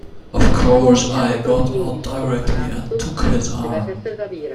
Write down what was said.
Of course I got out directly and took his arm.